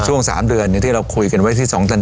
ช่วง๓เดือนที่เราคุยกันไว้ที่๒ธัน